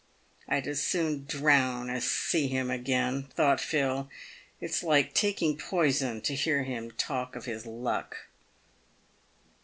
" I'd as soon drown as see him again," thought Phil. " It's like taking poison to hear him talk of his luck."